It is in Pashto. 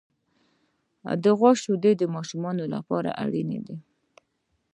د غوا شیدې د ماشومانو لپاره اړینې دي.